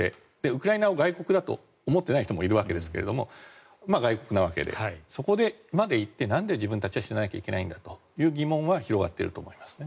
ウクライナを外国だと思っていない人もいるわけですがまあ外国なわけでそこまで行ってなんで自分たちは死ななきゃいけないんだという疑問は広がっていると思います。